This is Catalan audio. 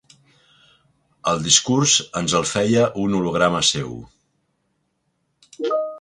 El discurs ens el feia un holograma seu.